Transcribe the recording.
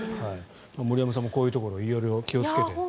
森山さんもこういうところ色々気をつけて。